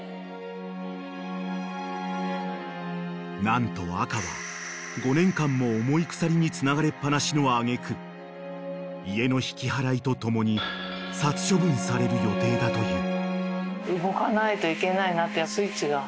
［何と赤は５年間も重い鎖につながれっ放しの揚げ句家の引き払いとともに殺処分される予定だという］